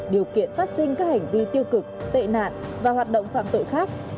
điều kiện phát sinh các hành vi tiêu cực tệ nạn và hoạt động phạm tội khác